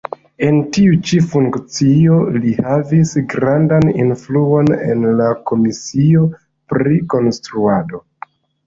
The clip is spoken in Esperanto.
En tiu ĉi funkcio li havis grandan influon en la komisio pri konstruado.